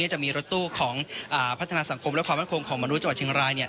จะมีรถตู้ของพัฒนาสังคมและความรับควรของมนุษย์จังหวัดชิงราย